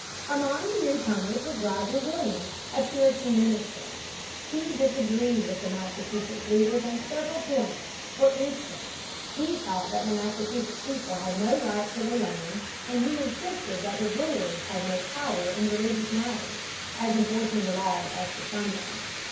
Among the newcomers was Roger Williams, a Puritan minister. He disagreed with the Massachusetts leaders on several points. For instance, he thought that the Massachusetts people had no right to their lands, and he insisted that the rulers had no power in religious matters as enforcing the laws as to Sunday.